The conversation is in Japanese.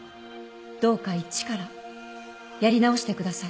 どうか一からやり直してください